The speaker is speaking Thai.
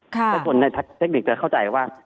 แล้วคนในเทคนิคจะเข้าใจว่า